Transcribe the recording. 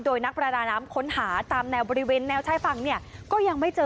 โดยนักประดาน้ำค้นหาตามแนวบริเวณแนวชายฝั่งเนี่ยก็ยังไม่เจอ